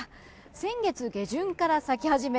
先月下旬から咲き始め